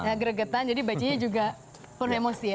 ya geregetan jadi bacanya juga pun emosi ya